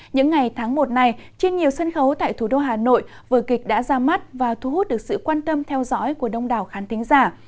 những ngày tháng một này trên nhiều sân khấu tại thủ đô hà nội vở kịch đã ra mắt và thu hút được sự quan tâm theo dõi của đông đảo khán tính giả